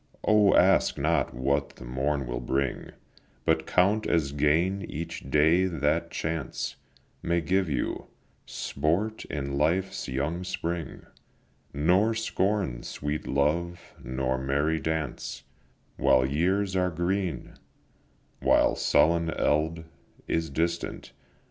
O, ask not what the morn will bring, But count as gain each day that chance May give you; sport in life's young spring, Nor scorn sweet love, nor merry dance, While years are green, while sullen eld Is distant.